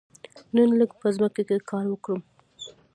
نن لږ په ځمکه کې کار وکړم.